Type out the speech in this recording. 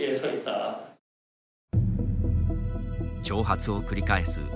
挑発を繰り返す